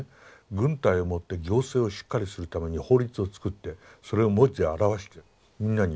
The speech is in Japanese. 軍隊を持って行政をしっかりするためには法律を作ってそれを文字で表してみんなに徹底させて。